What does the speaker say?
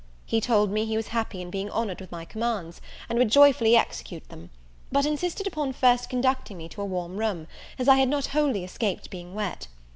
He told me he was happy in being honoured with my commands, and would joyfully execute them; but insisted upon first conducting me to a warm room, as I had not wholly escaped being wet.